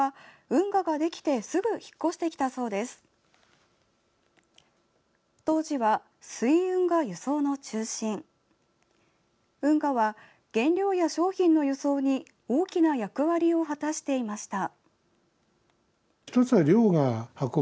運河は、原料や商品の輸送に大きな役割を果たしていました。